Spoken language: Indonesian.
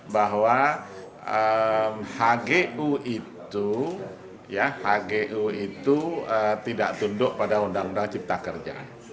bahwa hgu itu hgu itu tidak tunduk pada undang undang cipta kerja